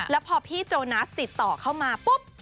แล้วพอพี่โจนัสติดต่อเข้ามาปุ๊บ